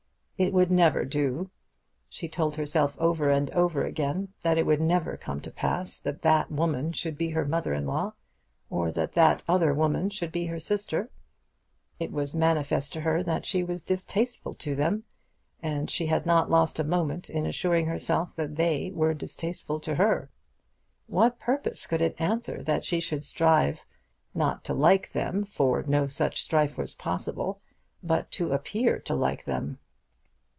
It would never do. She told herself over and over again that it would never come to pass that that woman should be her mother in law, or that that other woman should be her sister. It was manifest to her that she was distasteful to them; and she had not lost a moment in assuring herself that they were distasteful to her. What purpose could it answer that she should strive, not to like them, for no such strife was possible, but to appear to like them?